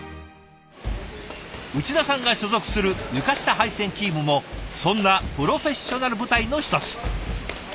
内田さんが所属する床下配線チームもそんなプロフェッショナル部隊の一つ。